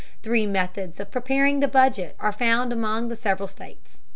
Three methods of preparing the budget are found among the several states.